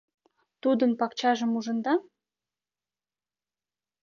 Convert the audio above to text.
— Тудын пакчажым ужында?